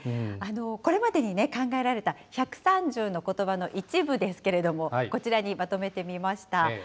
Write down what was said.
これまでに考えられた１３０のことばの一部ですけれども、こちらにまとめてみました。